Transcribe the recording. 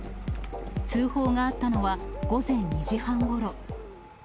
通報があったのは、午前２時半ごろ。